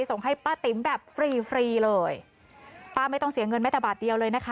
ส่งให้ป้าติ๋มแบบฟรีฟรีเลยป้าไม่ต้องเสียเงินแม้แต่บาทเดียวเลยนะคะ